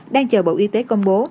đang chờ bộ y tế công bố